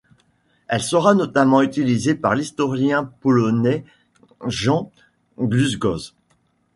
Elle sera notamment utilisée par l'historien polonais Jan Długosz.